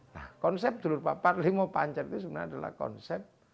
nah konsep dulur papat limo pancer itu sebenarnya adalah konsep